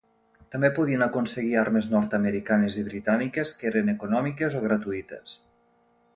També podien aconseguir armes nord-americanes i britàniques, que eren econòmiques o gratuïtes.